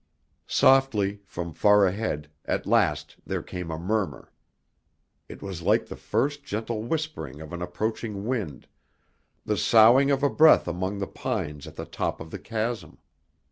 Softly, from far ahead, at last there came a murmur. It was like the first gentle whispering of an approaching wind, the soughing of a breath among the pines at the top of the chasm.